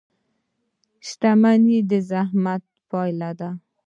• شتمني د زحمت پایله ده.